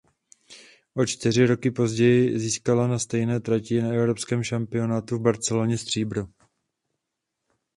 O čtyři roky později získala na stejné trati na evropském šampionátu v Barceloně stříbro.